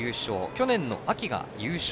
去年の秋が優勝。